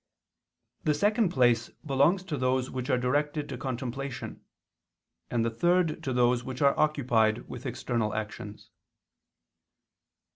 The second place belongs to those which are directed to contemplation, and the third to those which are occupied with external actions.